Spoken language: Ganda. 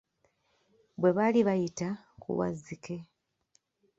Bwe baali bayita ku Wazzike,